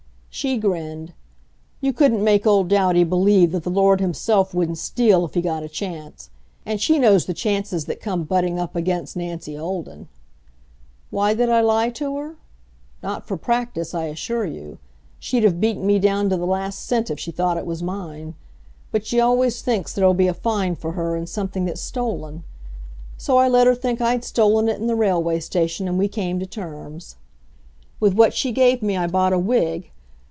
She grinned. You couldn't make old Douty believe that the Lord himself wouldn't steal if He got a chance. And she knows the chances that come butting up against Nancy Olden. Why did I lie to her? Not for practice, I assure you. She'd have beaten me down to the last cent if she thought it was mine, but she always thinks there'll be a find for her in something that's stolen. So I let her think I'd stolen it in the railway station, and we came to terms. With what she gave me I bought a wig.